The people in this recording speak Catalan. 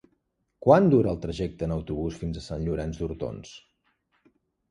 Quant dura el trajecte en autobús fins a Sant Llorenç d'Hortons?